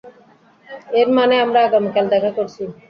এর মানে আমরা আগামীকাল দেখা করছি।